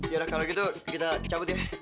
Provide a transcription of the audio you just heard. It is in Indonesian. ya kalau gitu kita cabut ya